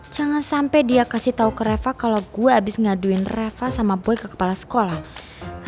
jangan sampai dia kasih tahu ke reva kalau gue abis ngaduin reva sama boy ke kepala sekolah